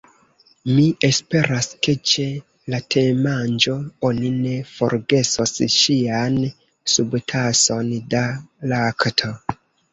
"Mi esperas ke ĉe la temanĝo oni ne forgesos ŝian subtason da lakto.